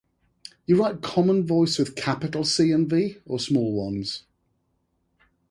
You write Common Voice with capital C and V or small ones?